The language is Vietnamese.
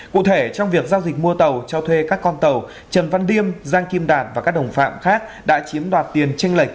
cụ thể trong việc giao dịch mua tàu cho thuê các con tàu trần văn liêm giang kim đạt và các đồng phạm khác đã chiếm đoạt tiền tranh lệch